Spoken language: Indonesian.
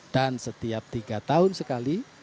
dan setiap tiga tahun sekali